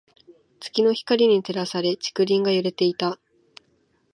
月の光に照らされ、竹林が揺れていた。